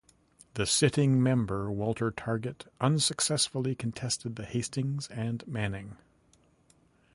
The sitting member Walter Targett unsuccessfully contested The Hastings and Manning.